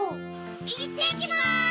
いってきます！